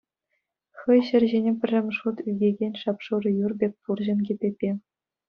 Хӑй ҫӗр ҫине пӗрремӗш хут ӳкекен шап-шурӑ юр пек пурҫӑн кӗпепе.